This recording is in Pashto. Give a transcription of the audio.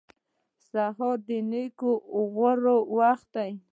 سهار د نېکۍ غوره وخت دی.